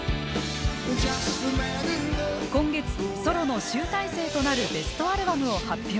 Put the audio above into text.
今月ソロの集大成となるベストアルバムを発表。